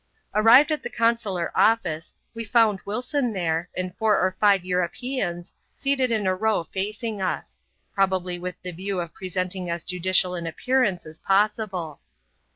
Arrived at the consular office, we found Wilson there, and four or five Europeans, seated in a row facing us; probably with the view of presenting as judicial an appearance as pos sible.